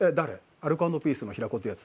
「アルコ＆ピースの平子ってやつ」